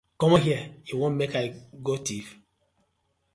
Comot here yu won mek I go thief?